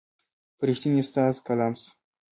پر رښتین استاد کلام سو